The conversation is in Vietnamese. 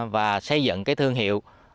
và xây dựng thương hiệu